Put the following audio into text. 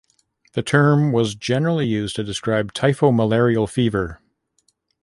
The term was generally used to describe Typho-malarial fever.